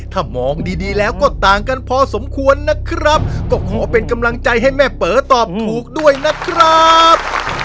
ถ้ามองดีดีแล้วก็ต่างกันพอสมควรนะครับก็ขอเป็นกำลังใจให้แม่เป๋อตอบถูกด้วยนะครับ